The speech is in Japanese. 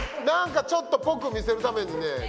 なんかちょっとぽく見せるためにね